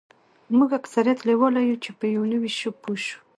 موږ اکثریت لیواله یوو چې په یو نوي شي پوه شو